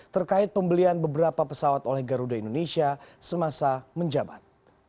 terkait pembelian beberapa pesawat oleh garuda indonesia semasa menjabat